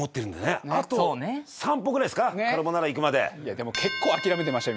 でも結構諦めてましたよ